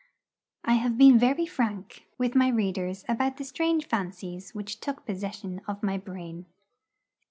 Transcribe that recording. I have been very frank with my readers about the strange fancies which took possession of my brain.